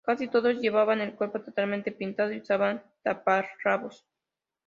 Casi todos llevaban el cuerpo totalmente pintado y usaban taparrabos.